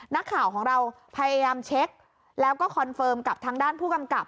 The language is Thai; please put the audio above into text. นักข่าวของเราพยายามเช็คแล้วก็คอนเฟิร์มกับทางด้านผู้กำกับ